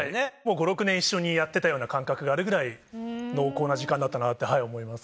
５６年一緒にやってたような感覚があるぐらい濃厚な時間だったなって思います。